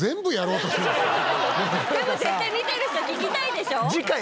でも絶対見てる人聞きたいでしょ？